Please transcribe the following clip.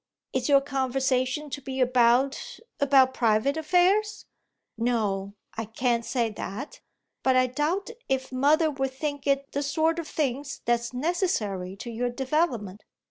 "Is your conversation to be about about private affairs?" "No, I can't say that. But I doubt if mother would think it the sort of thing that's 'necessary to your development.'"